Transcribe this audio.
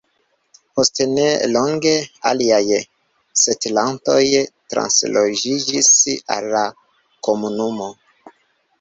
Post ne longe, aliaj setlantoj transloĝiĝis al al komunumo.